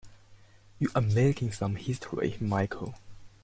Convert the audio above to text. You are making some history, Michael.